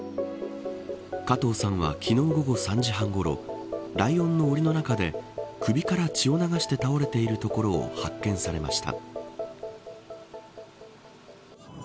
加藤さんは昨日午後３じ半ごろライオンのおりの中で首から血を流して倒れているところを発見されました。